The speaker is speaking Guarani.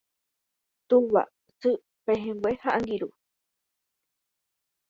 tuva, sy, pehẽngue ha angirũ